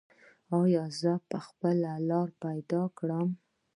ایا زه به خپله لاره پیدا کړم؟